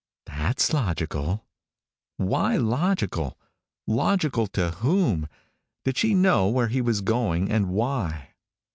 "That's logical." Why logical? Logical to whom? Did she know where he was going and why?